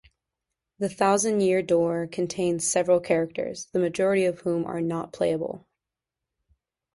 "The Thousand-Year Door" contains several characters, the majority of whom are not playable.